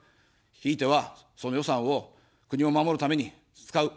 ひいては、その予算を国を守るために使う。